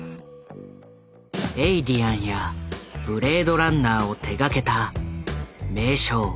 「エイリアン」や「ブレードランナー」を手がけた名匠